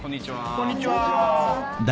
こんにちは。